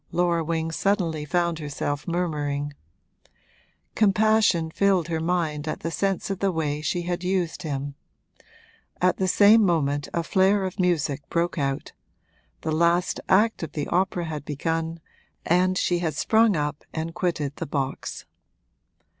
Laura Wing suddenly found herself murmuring: compassion filled her mind at the sense of the way she had used him. At the same moment a flare of music broke out: the last act of the opera had begun and she had sprung up and quitted the box.